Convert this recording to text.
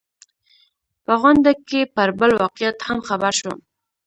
په غونډه کې پر بل واقعیت هم خبر شوم.